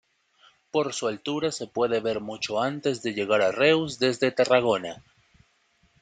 Por su altura se puede ver mucho antes de llegar a Reus desde Tarragona.